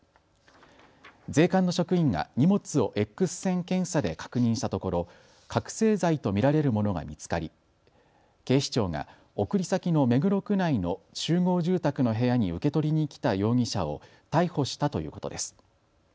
税関の職員が荷物をＸ線検査で確認したところ覚醒剤と見られるものが見つかり警視庁が送り先の目黒区内の集合住宅の部屋に受け取りに来た容疑者を逮捕したということです。